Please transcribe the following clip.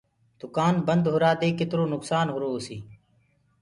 دُڪآن بنٚد ڪررآ دي ڪِترو نُڪسآن هرو هوسيٚ